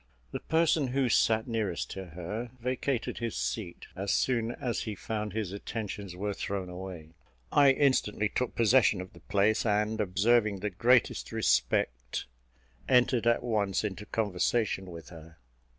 The person who sat nearest to her vacated his seat as soon as he found his attentions were thrown away. I instantly took possession of the place, and, observing the greatest respect, entered at once into conversation with her.